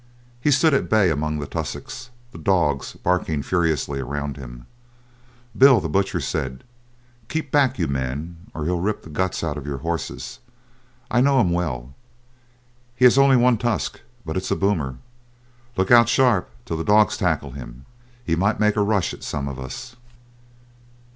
He stood at bay among the tussocks, the dogs barking furiously around him. Bill the Butcher said, "Keep back, you men, or he'll rip the guts out of your horses. I know him well. He has only one tusk, but it's a boomer. Look out sharp till the dogs tackle him, he might make a rush at some of us."